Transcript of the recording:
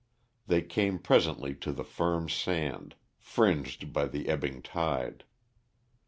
They came presently to the firm sand, fringed by the ebbing tide.